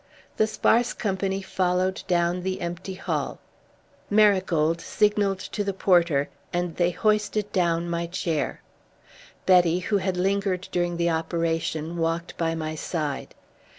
The sparse company followed down the empty hall. Marigold signalled to the porter and they hoisted down my chair. Betty, who had lingered during the operation, walked by my side.